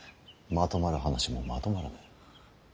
まとまる話もまとまらぬ。